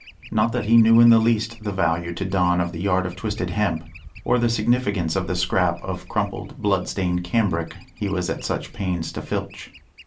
Not that he knew in the least the value to Don of the yard of twisted hemp, or the significance of the scrap of crumpled, bloodstained cambric he was at such pains to filch.